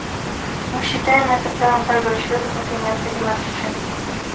Мы считаем это правом каждого человека, которое необходимо защищать.